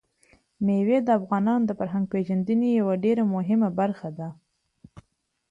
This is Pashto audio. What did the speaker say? مېوې د افغانانو د فرهنګي پیژندنې یوه ډېره مهمه برخه ده.